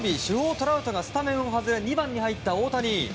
トラウトがスタメンを外れ２番に入った大谷。